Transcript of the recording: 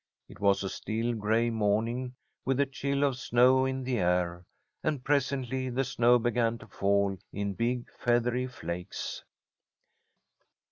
It was a still gray morning, with the chill of snow in the air, and presently the snow began to fall in big feathery flakes.